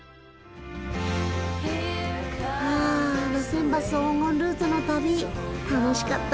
あ路線バス黄金ルートの旅楽しかったな。